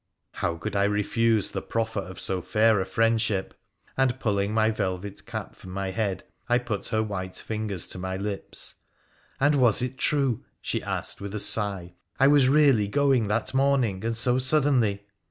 How could I refuse the proffer of so fair a friendship ? and, pulling my velvet cap from my head, I put her white fingers to my lips. And was it true, she asked with a sigh, I was really going that morning, and so suddenly